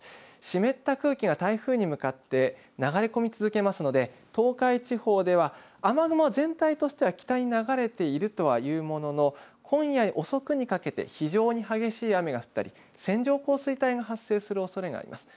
湿った空気が台風に向かって流れ込み続けますので東海地方では雨雲全体としては北に流れているとはいうものの今夜遅くにかけて非常に激しい雨が降ったり線状降水帯が発生するおそれがあります。